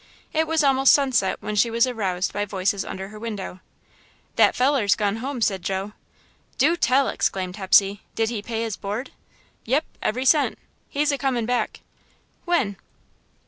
It was almost sunset when she was aroused by voices under her window. "That feller's gone home," said Joe. "Do tell!" exclaimed Hepsey. "Did he pay his board?" "Yep, every cent. He's a comin' back." "When?"